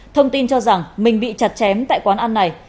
thông tin cho rằng mình bị chặt chém tại quán ăn này